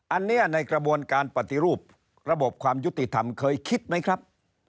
อันนี้ในกระบวนการปฏิรูประบบความยุติธรรมเคยคิดไหมครับ